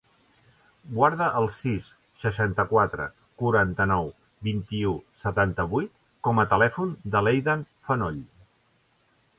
Guarda el sis, seixanta-quatre, quaranta-nou, vint-i-u, setanta-vuit com a telèfon de l'Eidan Fenoll.